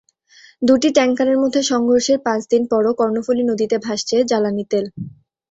দুটি ট্যাংকারের মধ্যে সংঘর্ষের পাঁচ দিন পরও কর্ণফুলী নদীতে ভাসছে জ্বালানি তেল।